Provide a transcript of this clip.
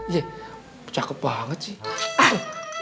ya cakep banget sih